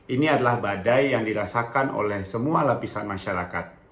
ini adalah badai yang dirasakan oleh semua lapisan masyarakat